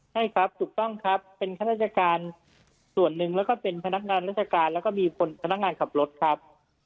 ใช่ครับถูกต้องครับเป็นข้าราชการส่วนหนึ่งแล้วก็เป็นพนักงานราชการแล้วก็มีพนักงานขับรถครับ